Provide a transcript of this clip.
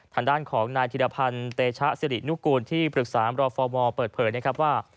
ทางด้านของนายธิรพันธ์เตชะสิรินุกูลที่ปรึกษามรฟมเปิดเผยนะครับว่า